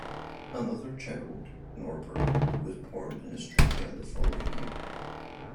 Another child, Norbert, was born in Australia the following year.